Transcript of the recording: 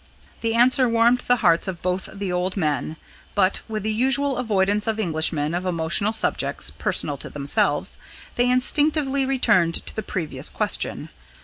The answer warmed the hearts of both the old men, but, with the usual avoidance of Englishmen of emotional subjects personal to themselves, they instinctively returned to the previous question.